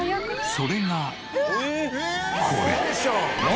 それがこれ。